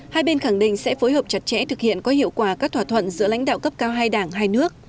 hai bên khẳng định sẽ phối hợp chặt chẽ thực hiện có hiệu quả các thỏa thuận giữa lãnh đạo cấp cao hai đảng hai nước